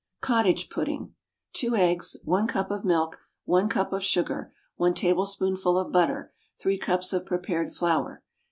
Cottage Pudding. Two eggs. One cup of milk. One cup of sugar. One tablespoonful of butter. Three cups of prepared flour.